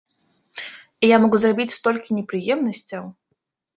І я магу зрабіць столькі непрыемнасцяў!